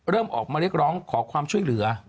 ออกมาเรียกร้องขอความช่วยเหลือ